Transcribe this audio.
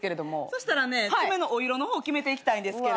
そしたらね爪のお色の方決めていきたいんですけれども。